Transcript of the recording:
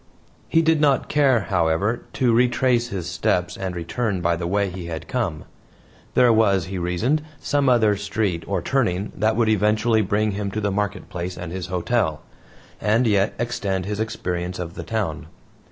He did not care, however, to retrace his steps and return by the way he had come. There was, he reasoned, some other street or turning that would eventually bring him to the market place and his hotel, and yet extend his experience of the town.